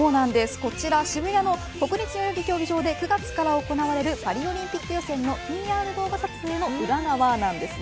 渋谷の国立代々木競技場で９月から行われるパリオリンピック予選のＰＲ動画撮影の裏側なんです。